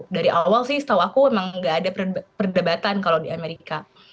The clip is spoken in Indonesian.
dari awal sih setahu aku emang gak ada perdebatan kalau di amerika